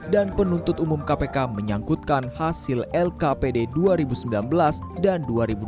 dan penuntut umum kpk menyangkutkan hasil lkpd dua ribu sembilan belas dan dua ribu dua puluh